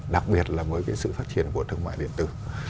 đặc biệt là với cái sự phát triển của thương mại điện tử